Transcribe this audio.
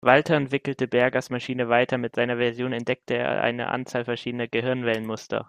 Walter entwickelte Bergers Maschine weiter; mit seiner Version entdeckte er eine Anzahl verschiedener Gehirnwellen-Muster.